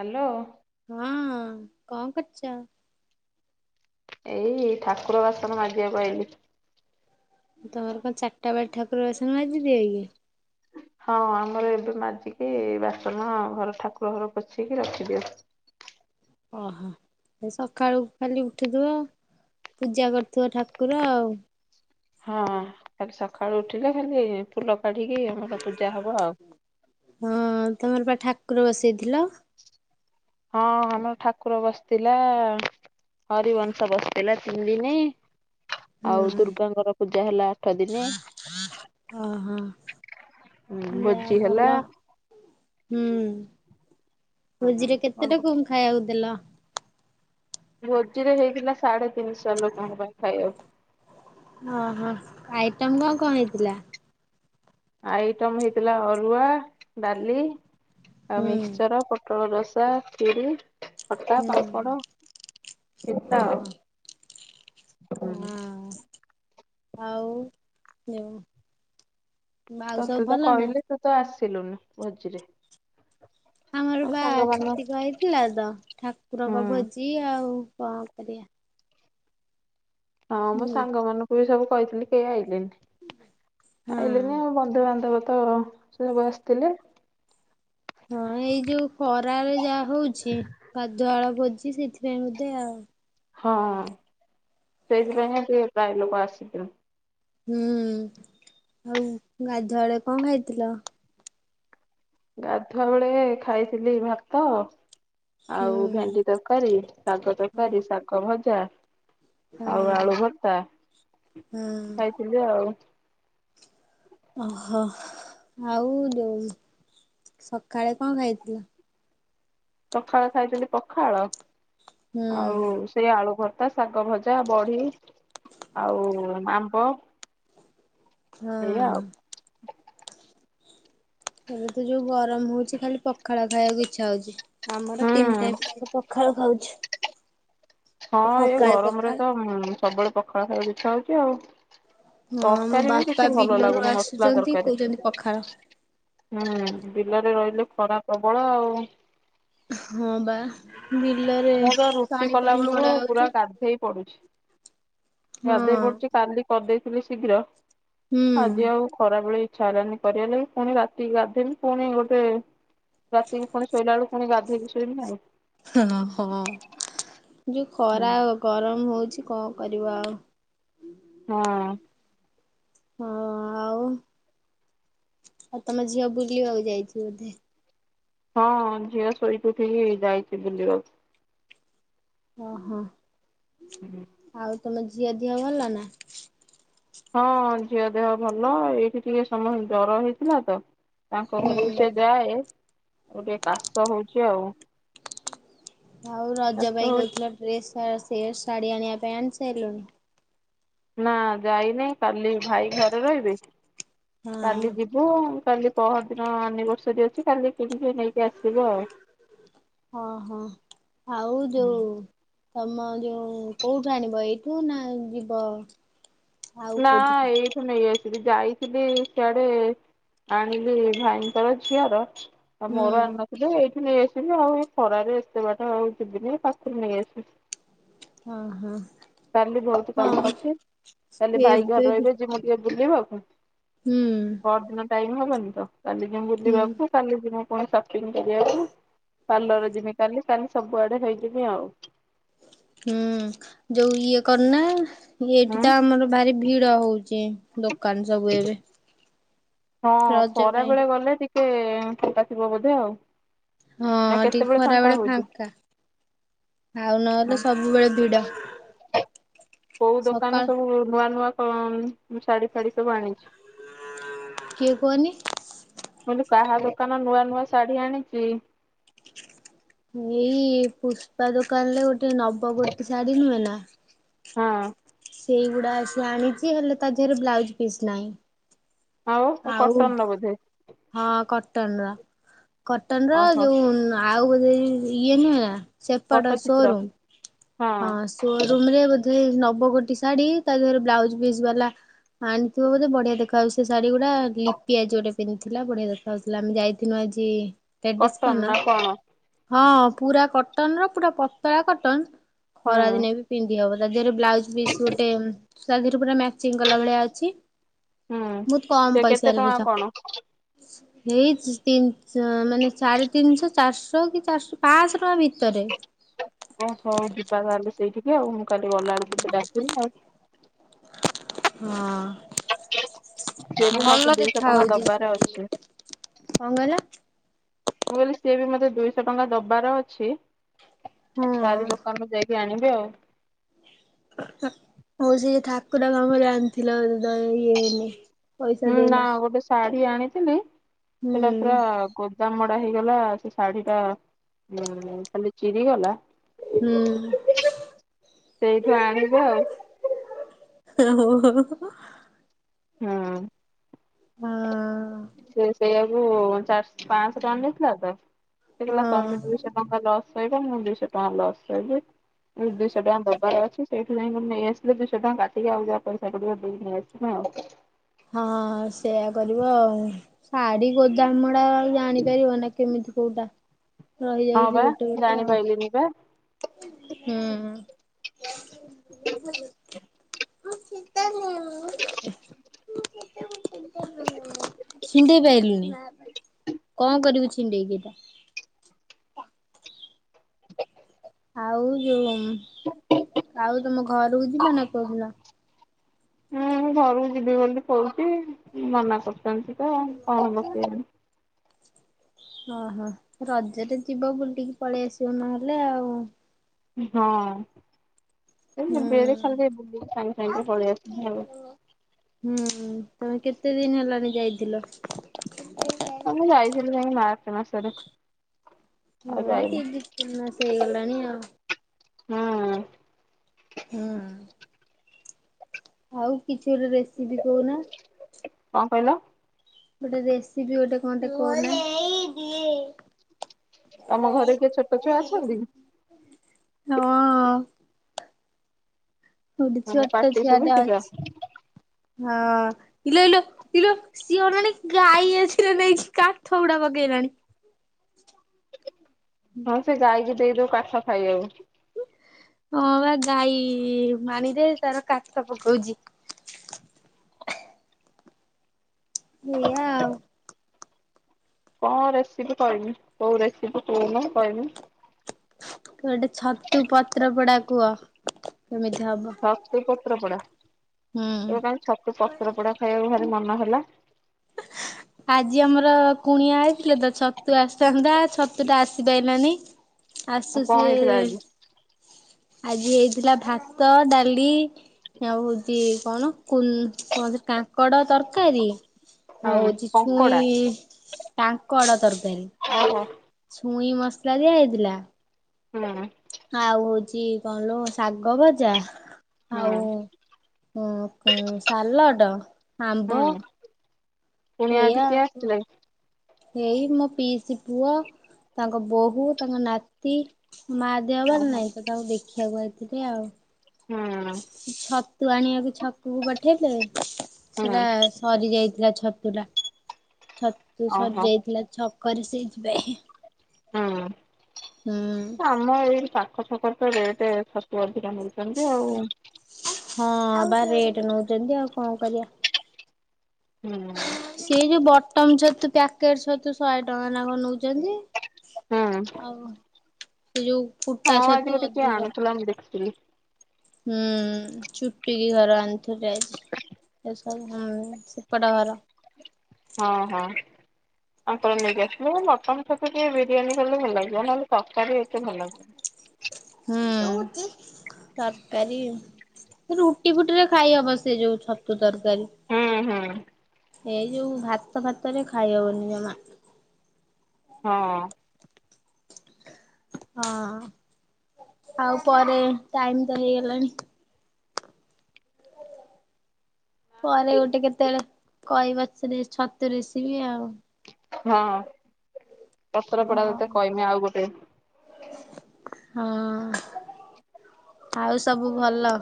Hello. ହଁ, କଣ କରୁଛ? ଏଇ ଠାକୁର ବାସନ ମାଜିବାକୁ ଆଇଲି। ତମର କଣ ଚାରିଟା ବେଳେ ଠାକୁର ବାସନ ମାଜି ଦିଅକି? ହଁ, ଆମର ଏବେ ମାଜିକି ବାସନ ଘର ଠାକୁର ଘର ପୋଛିକି ରଖିଦେଉ। ଓହୋ ଏ ସକାଳୁକୁ ଖାଲି ଉଠିଥିବ ପୂଜା କରୁଥିବ ଠାକୁର ଆଉ। ହଁ, ଖାଲି ସକାଳୁ ଉଠିଲେ, ଖାଲି ଫୁଲ କାଢିକି ଆମର ପୂଜା ହବ ଆଉ। ହଁ, ତମର ପା ଠାକୁର ବସେଇଥିଲ? ହଁ, ଆମର ଠାକୁର ବସିଥିଲା ହରିବଂଶ ବସିଥିଲା ତିନି ଦିନି। ହଁ ଆଉ ଦୁର୍ଗାଙ୍କର ପୂଜା ହେଲା ଆଠ ଦିନି। ଅହ ଜା ଭୋଜି ହେଲା। ଭଲ। ହୁଁ, ଭୋଜିରେ କେତେ ଲୋକଙ୍କୁ ଖାଇବାକୁ ଦେଲ? ଭୋଜିରେ ହେଇଥିଲା ସାଢେ ତିନିଶ ଲୋକଙ୍କ ପାଇଁ ଖାଇବାକୁ। ଅ ହ ଆଇଟମ୍ କଣ କଣ ହେଇଥିଲା? ଆଇଟମ ହେଇଥିଲା। ଅରୁଆ, ଡାଲି ଆଉ ହୁଁ ମିକ୍ସଚର ପୋ ପୋଟଳ ରସା, ଖିରି, ଖଟା, ହୁଁ ପାମ୍ପଡ଼, ପିତା ଆଉ। ହୁଁ ଆଉ ଆଉ ସବୁ ତତେତ ଭଲ ନା? କହିଲି, ତୁ ତ ଆସିଲୁନି ଭୋଜିରେ। ଆମର ମୋ ବା ସାଙ୍ଗମାନ ଛୁତିକହେଇଥିଲା ତ, ହୁଁ ଠାକୁରଙ୍କ ଭୋଜି ଆଉ କଣ କରିବା। ହଁ, ମୋ ହୁଁ ସାଙ୍ଗମାନଙ୍କୁ ବି ସବୁ କହିଥିଲି କେହି ଆଇଲେନି। ହଁ ଆଇଲେନି ଆଉ ବନ୍ଧୁବାନ୍ଧବ ତ ସେ ସବୁ ଆସିଥିଲେ। ହଁ, ଏଇ ଯୋଉ ଖରାରେ ଯାହା ହଉଛି କାଦୁଆଳ ଭୋଜି ସେଥିପାଇଁ ବୋଧେ ଆଉ। ହଁ ସେଇଥିପାଇଁହିଁ ଟିକେ ପ୍ରାୟ ଲୋକ ଆସିଚ ହୁଁ ଆଉ ଗାଧୁଆଳେ କଣ ଖାଇଥିଲ। ଗାଧୁଆ ବେଳେ ଖାଇଥିଲି ଭାତ ହୁଁ ଆଉ ଭେଣ୍ଡି ତରକାରୀ ଶାଗ ତରକାରୀ ଶାଗ ଭଜା। ଆଉ ହଁ ଆଳୁ ଭତ୍ତା ହଁ ଖାଇଥିଲି ଆଉ। ଓହୋ ଆଉ ଯୋଉ ସଖାଳେ କଣ ଖାଇଥିଲ? ସଖାଳେ ଖାଇଥିଲି ପଖାଳ ଆଉ ହୁଁ ସେଇ ଆଳୁ ଭର୍ତ୍ତା ଶାଗ ଭଜା ବଢି ଆଉ ଆମ୍ବ। ଏଇଆ ଆଉ ହୁଁ। ଏବେ ତ ଯୋଉ ଗରମ ହଉଚି ଖାଲି ପଖାଳ ଖାଇବାକୁ ଇଚ୍ଛା ହଉଚି। ଆମର ତିନି ଟାଇମ ହୁଁ ଯାକ ପଖାଳ ଖାଉଛୁ। ହଁ ଏ ସକାଳେ ଗରମରେ ପଖାଳ ତ ସବୁବେଳେ ପଖାଳ ଖାଇବାକୁ ଇଛା ହଉଚି ଆଉ। ହଁ ମୋ ତରକାରୀ ବି ବାପା କିଛି ଭଲ ବିଲରୁ ଲାଗୁନି ମସଲା ଆସୁଛନ୍ତି ତରକାରୀ। କହୁଛନ୍ତି ପଖାଳ ହୁଁ, ବିଲରେ ରହିଲେ ଖରା ପ୍ରବଳ ଆଉ। ହଁ ବା ବିଲରେ ପାଣି ପାଣି ମଡା ହଉଚି। ହେଇ ପଡୁଛି ହଁ ଗାଧେଇ ପଡୁଛି କାଲି କରିଦେଇଥିଲି ଶୀଘ୍ର। ହୁଁ। ଆଜି ଆଉ ଖରା ବେଳେ ଇଚ୍ଛା ହେଲାନି କରିବା ଲାଗି। ପୁଣି ରାତିକି ଗାଧେଇମି ପୁଣି ଗୋଟେ ରାତିକି ପୁଣି ଶୋଇଲା ବେଳୁକୁ ପୁଣି ଗାଧେଇକି ଶୋଇମି ଆଉ। ହଁହୋ ଯୋଉ ଖରା ଗରମ ହଉଚି କଣ କରିବା ଆଉ? ହଁ। ହଁ, ଆଉ ଆଉ ତମ ଝିଅ ବୁଲିବାକୁ ଯାଇଛି ବୋଧେ? ହଁ ଝିଅ ଶୋଇକି ଉଠିକି ଯାଇଛି ବୁଲିବାକୁ। ଅଁହଁ ହୁଁ। ଆଉ ତମ ଝିଅ ଦିହ ଭଲ ନା। ହଁ ଝିଅ ଦେହ ଭଲ ଏଇଠି ଟିକେ ସମସ୍ତେ ଜର ହେଇଥିଲା ତ। ତାଙ୍କ ହୁଁ ଘରକୁ ସେ ଯାଏ ତାକୁ ଟିକେ କାଶ ହଉଚି ଆଉ। ଆଉ ରଜ କାଶ ପାଇଁ ହଉ କହୁଥିଲ ଡ୍ରେସ ସେ ସେ ଶାଢୀ ଆଣିବା ପାଇଁ ଆଣି ସାଇଲଣି। ନା ଯାଇନାହିଁ କାଲି ଭାଇ ଘରେ ରହିବେ କାଲି ହଁ ଯି ହୁ କାଲି ପହର ଦିନ ଆନିଭର୍ସରୀ ଅଛି କାଲି କିଣିକି ନେଇକି ଆସିବ ଆଉ। ଓ ହୋ ଆଉ ଯୋଉ ତମ ଯୋଉ କୋଉଠୁ ଆଣିବ ଏଇଠୁ ନା ଯିବ ଆଉ ନା କୋଉଠିକି? ଏଇଠୁ ନେଇ ଆସିବି ଯାଇଥିଲି ସିଆଡେ ଆଣିଲି ଭାଇଙ୍କର ଝିଅର। ଆଉ ହୁଁ ମୋର ଆଣିନଥିଲି ଏଇଠୁ ନେଇ ଆସିବି ଆଉ। ଏଇ ଖରାରେ ଏତେ ବାଟ ଆଉ ଯିବିନି ପାଖରୁ ନେଇ ଆସିବି। ଅଁ ହଁ। କାଲି ବହୁତ କାମ ହଁ ଅଛି କାଲି ଭାଇ ଘରେ ଏବେ ବି ରହିବେ ଯିମୁ ଟିକେ ବୁଲିବାକୁ। ହୁଁ। ପହର ଦିନ ଟାଇମ ହବନି ତ, କାଲି ଯିବୁ ହୁଁ ବୁଲିବାକୁ କାଲି ଯିମୁ ପୁଣି ସପିଙ୍ଗ କରିବାକୁ। ପାର୍ଲର ଯିବି କାଲି କାଲି ସବୁଆଡେ ହେଇଯିମି ଆଉ। ହୁଁ ଯୋଉ ଇଏ କରୁନା, ଏଇଠି ହୁଁ। ତ ଆମର ଭାରି ଭିଡ ହଉ ଚେ ଦୋକାନ ସବୁ ଏବେ। ହଁ ରଜ ପାଇଁ ଖରାବେଳେ ଗଲେ ଟିକେ ଫାଙ୍କା ଥିବ ବୋଧେ ଆଉ। ନା ହଁ ଟିକେ କେତେବେଳେ ଖରାବେଳେ ହଉଛି? ଫାଙ୍କା। ଆଉ ନହେଲେ ହଁ ସବୁବେଳେ ଭିଡ଼। କୋଉ ଦୋକାନ ସବୁ ନୂଆ ନୂଆ କନ୍ ଶାଢୀ ଫାଢୀ ସବୁ ଆଣିଛି। କିଏ କୁହନି? ମୁଁ କହିଲି କାହା ଦୋକାନ ନୂଆ ନୂଆ ଶାଢୀ ଆଣିଛି। ଏଇ ପୁଷ୍ପା ଦୋକାନରେ ଗୋଟେ ନବ ଗୋଟି ଶାଢୀ ନୁହେଁ ନା ହଁ। ସେଇଗୁଡା ଆସି ଆଣିଛି ହେଲେ ତା ଦେହରେ ବ୍ଲାଉଜ୍ ପିସ୍ ନାହିଁ। ଆଉ କଟନ୍ ର ବୋଧେ। ହଁ କଟନ୍ ର କଟନ୍ ର ଓହୋ ଯୋଉ ଆଉ ବୋଧେ ଇଏ ନୁହେଁ ନା ସେପଟ ପଟ୍ଟଚିତ୍ର ସୋରୁମ୍ ହଁ। ସୋରୁମ୍ ରେ ବୋଧେ ନବ ଗୋଟି ଶାଢ଼ୀ ତା ଦେହରେ ବ୍ଲାଉଜ୍ ପିସ୍ ବାଲା। ଆଣିଥିବ ବୋଧେ ବଢି଼ଆ ଦେଖାଯାଉଛି ସେ ଶାଢ଼ୀ। ଗୁଡ଼ା ଲିପି ଆଜି ଗୋଟେ ପିନ୍ଧିଥିଲା ବଢିଆ ଦେଖା ହଉଥିଲା ଆମେ ଯାଇଥିନୁ ଆଜି। କଟନ ନା କଣ ହଁ ପୁରା କଟନ୍ ର ପୁରା ପତଳା କଟନ୍। ହୁଁ। ଖରାଦିନେ ବି ପିନ୍ଧି ହବ ତା ଦେହରେ ବ୍ଲାଉଜ୍ ପିସ୍ ଗୋଟେ। ସାଗ୍ ରେ ପୁରା ମ୍ୟାଚିଂ କଲା ଭଳିଆ ଅଛି। ହୁଁ ବୋହୁତ୍ କମ୍ ସେ କେତେ ପଇସାରେ ଟଙ୍କା ବୁଝ। କଣ ହେଇଛି ତିନିଶହ ମାନେ ସାଢ଼େ ତିନିଶହ ଚାରିଶହ କି ଚାରିଶହ ପାଂଶହ ଟଙ୍କା ଭିତରେ। ଓ ହୋଉ ଯିବା ତାହେଲେ ସେଇଠିକି ଆଉ ମୁଁ କାଲି ଗଲାବେଳକୁ ତତେ ଡାକିବି ଆଉ। ହଁ ଭଲ ଦେଖା ସିଏ ବି ମତେ ହଉଛି ଦୁଇଶହ ଟଙ୍କା ସେ ଦବାର ଅଛି ଶାଢ଼ୀ। କଣ କହିଲ? ମୁଁ କହିଲି ସିଏ ବି ମତେ ଦୁଇଶହ ଟଙ୍କା ଦବାର ଅଛି ହଁ ତାରି ଦୋକାନରୁ ଯାଇ କି ଆଣିବି ଆଉ। ହଉ ସେ ଯୋଉ ଠାକୁର କାମରେ ଆଣିଥିଲା ଯୋଉଟା ଇଏ ହେଇନି। ହୁଁ ନା ଗୋଟେ ଶାଢୀ ଆଣିଥିଲି ହୁଁ ସେଟା ପୁରା ଗୋଦାମ। ହେଇଗଲା ସେ ଶାଢୀଟା ଉଁ ଖାଲି ଚିରିଗଲା। ହୁଁ ସେଇଠୁ ଆଣିବି ଆଉ [unintelligible] ହୋଁ ହୋଁ ହୋଁ ହଁ ହଁଅ ସିଏ ସେଇଆକୁ ଚାରି ପାଞ୍ଚଶହ ଟଙ୍କା ନେଇଥିଲା ତ ସେ କହିଲା ହଁ ତମେ ଦୁଇଶ ଟଙ୍କା ଲସ୍ ସହିବ ମୁଁ ଦୁଇଶହ ଟଙ୍କା ଲସ୍ ସହିବି ମୁଁ ଦୁଇଶହ ଟଙ୍କା ଦବାର ଅଛି। ସେଇଥିଲାଇଁ ନେଇ ଆସିଲ ଦୁଇଶହ ଟଙ୍କା କାଟିକି ଆଉ ଯାହା ପଇସା ପଡି଼ବ ଦେଇକି ନେଇ ଆସିବି ଆଉ ହଁ ସେଇୟା କରିବ ଆଉ ଶାଢ଼ୀ ଗୋଦାମଡା ରଇଯା ଆଣି ପାରିବ ନାଇଁ କେମିତି କୋଉଟା ହଁ ରହିଯାଉଛି ବା ଗୋଟେ ଗୋଟେ ଆଉ ଜାଣିପାରିଲିିନି ବା ହୁଁ [unintelligible] ମୁଁ କେତ ନ ମୁଁ [unintelligible] [inaudible] ଛିଣ୍ଡେଇ ପାରିଲୁନି ନା ପୀ କଣ କରିବୁ ଛିଣ୍ଡେଇକି ଏଟା ଆଉ ଯୋଉ ଆଉ ତମ ଘରକୁ ଯିବ ନା କୋଉଦିନ ହୁଁ ଘରକୁ ଯିବି ବୋଲି କହୁଛି ମନା କରୁଛନ୍ତି ତ କଣ ବସିବନି ଓହୋ ରଜରେ ଯିବ ବୁଲିକି ପଳେଇ ଆସିବ ନହେଲେ ଆଉ ହଁ ଖାଲି ହୁଁ ବୁଲିଦେଇ ସାଙ୍ଗେ ସାଙ୍ଗେ ପଳେଇ ଆସିମି ଆଉ ହୁଁ ତମେ କେତେ ଦିନ ହେଲାଣି ଯାଇଥିଲ? ହଁ ମୁଁ ଯାଇଥିଲି ଯାଇକି ମାର୍ଚ୍ଚ ମାସରେ ଆଉ ହଁ ଯାଇନି ତ ଦି ତିନି ମାସ ହେଇଗଲାଣି ଆଉ ହଁ ହୁଁ ଆଉ କିଛି ଗୋଟେ ରେସିପି କହୁନା କଣ କହିଲ? ଗୋଟେ ରେସିପି ଗୋଟେ କଣଟେ କହୁନ? ତମ ଘରେ କିଏ ଛୋଟ ଛୁଆ ଅଛନ୍ତି ହଁ ଗୋଟେ ହଁ ଛୁଆଟେ ପାଟି ଶୁଭୁଛି ତ ଅଛି ହଁ ଇଲୋ ଇଲୋ ଇଲୋ ସିଏ ଅନାନି ଗାଈ ଆଖିରେ ନେଇକି କାଠ ଗୁଡା ପକେଇଲାଣି ହଁ ସେ ଗାଈକି ଦେଇଦଉ କାଠ ଖାଇବାକୁ ହଁ ବା ଗାଈ ପାଣିରେ ତାର କାଠ ପକଉଚି। ଏଇୟା ଆଉ କଣ ରେସିପି କହିମି କୋଉ ରେସିପି କହୁନ କହିମି? ତ ଗୋଟେ ଛତୁ ପତ୍ର ପୋଡା କୁହ କେମିତି ହବ? ଛତୁ ପତ୍ରପୋଡା ହୁଁ। ଏବେ କ ଛତୁ ପତ୍ରପୋଡା ଖାଇବାକୁ ଘରେ ମନ ହେଲା ଆଜି ଆମର କୁଣିଆ ଆଇଥିଲେ ତ ଛତୁ ଆସିଥାନ୍ତା ଛତୁ ଟା ଆସିପାରିଲାନି। ଆଉ ଆସୁ କଣ ସିଏ ହେଇଥିଲା ଆଜି ଆଜି ହେଇଥିଲା ଭାତ, ଡାଲି ଆଉ ହଉଛି କଣ କୁହନ୍ତି କାଙ୍କଡ ତରକାରୀ ଆଉ ହୁଁ ହଉଛି କଙ୍କଡା ଛୁଇଁ କାଙ୍କଡ ଓହୋ ତରକାରୀ ଛୁଇଁ ମସଲା ଦିଆ ହେଇଥିଲା ହୁଁ। ଆଉ ହଉଛି କଣ ଲୋ ଶାଗ ଭଜା ହୁଁ ଆଉ ହ ସାଲଡ଼ ଆମ୍ବ ପୁଣି ଏଇଆ ଆଜି କିଏ ଆସିଥିଲେ? ଏଇ ମୋ ପିଇସି ପୁଅ ତାଙ୍କ ବୋହୂ ତାଙ୍କ ନାତି ମା ଦେହ ଭଲ ଓହୋ ନାଇଁ ତ ତାଙ୍କୁ ଦେଖିବାକୁ ଆଇଥିଲେ ଆଉ [inaudible] ଛତୁ ଆଣିବାକୁ ଛତୁକୁ ପଠେଇଥିଲେ ସେଟା ହୁଁ ସରି ଯାଇଥିଲା ଛତୁଟା ଛତୁ ସରି ଓହୋ ଯାଇଥିଲା ଛକରେ ସେଇଥିପାଇଁ ହଁ ହୁଁ। ଆମ ଏଇ ପାଖ ଛକ ତ ରେଟ୍ ତୁ ଅଧିକା ମିଳିଛନ୍ତି ଆଉ ହଁ ବା ରେଟ୍ ନଉଛନ୍ତି ଆଉ କଣ କରିବା? ହୁଁ। ସେ ଯୋଉ ବଟମ ଛତୁ ପ୍ୟାକେଟ ଛତୁ ଶହେ ଟଙ୍କା ଲକ ନଉଛନ୍ତି। ହୁଁ ଆଉ ସେ ଯୋଉ ଫୁଟାଛ ତୁ ଅଧିକ ସଲାମ ଦେଖିଥିଲି। ହୁଁ ଛୁଟିିକି ଘର ଆଣିଥିଲେ ଆଜି। ହୁଁ ସେପଟ ଘର। ହଁ ହଁ। ଆପଣ ନେଇକି ଆସିବେ ମଟନ୍ ଛତୁ ବିରିୟାନୀ କଲେ ଭଲ ଲାଗିବ ନହେଲେ ତରକାରୀ ଏତେ ଭଲ ଲାଗୁନୀ। ହୁଁ ତରକାରୀ ସେ ରୁଟି ଫୁଟି ରେ ଖାଇହବ ସେ ଯୋଉ ଛତୁ ତରକାରୀ। ହୁଁ ହୁଁ। ଏଇ ଯୋଉ ଭାତ ଫାତରେ ଖାଇହବନି ଜମା। ହଁ। ହଁ ଆଉ ପରେ ଟାଇମ ତ ହେଇଗଲାଣି। ପରେ ଗୋଟେ କେତେବେଳେ କହିବ ସେ ଛତୁ ରେସିବି ଆଉ। ହଁ ପତ୍ର ପୋଡ଼ା ହଁ ତତେ କହମି ଆଉ ଗୋଟେ। ହଁ ଆଉ ସବୁ ଭଲ?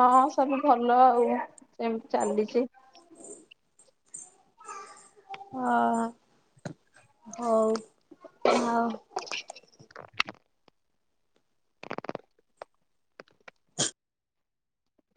ହଁ ସବୁ ଭଲ ଆଉ ଏମତି ଚାଲିଛି। ହଁ ହଉ ଆଉ